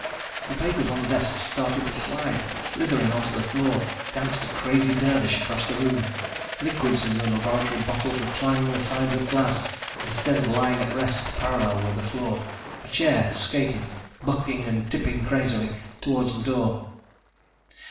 The papers on the desk started to slide, slithering onto the floor, danced a crazy dervish across the room. Liquids in the laboratory bottles were climbing the sides of glass, instead of lying at rest parallel with the floor. A chair skated, bucking and tipping crazily, toward the door.